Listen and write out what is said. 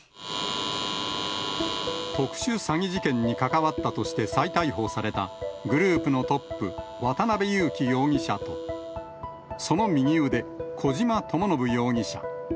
特殊詐欺事件に関わったとして再逮捕されたグループのトップ、渡辺優樹容疑者と、その右腕、小島智信容疑者。